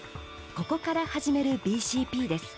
「ここから始めるＢＣＰ」です。